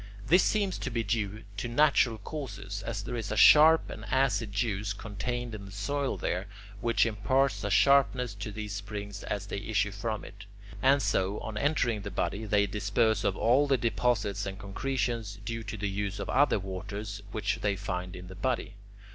This seems to be due to natural causes, as there is a sharp and acid juice contained in the soil there, which imparts a sharpness to these springs as they issue from it; and so, on entering the body, they disperse all the deposits and concretions, due to the use of other waters, which they find in the body.